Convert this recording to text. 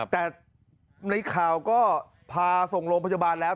แต่ในข่าวก็พาส่งโรงพยาบาลแล้ว